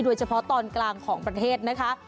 โดยเฉพาะตอนกลางของประเทศนะคะ